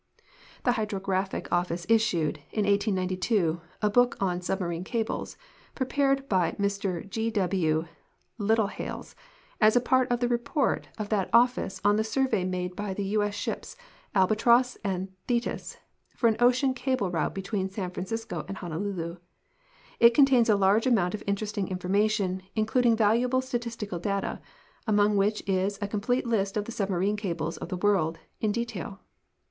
The Hydrographic Office issued, in 1892, a book on Sub marine Cables," prepared by Mr G. W. Littlehales as a part of the report of that Office on the survey made by the U. S. shij)S Albatross and Thetis for an ocean cable route between San Fran cisco and Honolulu. It contains a large amount of interesting infonnation, including valuable statistical data, among which is a complete list of the Submarine' Cables of the world, in detail.